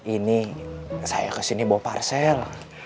ini saya kesini bawa parsel